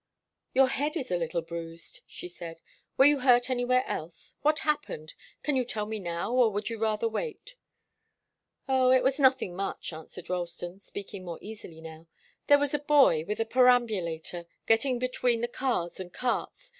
"Your head is a little bruised," she said. "Were you hurt anywhere else? What happened? Can you tell me now, or would you rather wait?" "Oh, it was nothing much," answered Ralston, speaking more easily now. "There was a boy, with a perambulator, getting between the cars and carts.